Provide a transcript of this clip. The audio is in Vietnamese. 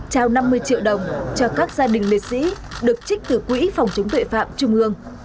trao năm mươi triệu đồng cho các gia đình liệt sĩ được trích từ quỹ phòng chống tội phạm trung ương